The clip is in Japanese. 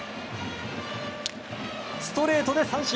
ストレートで三振。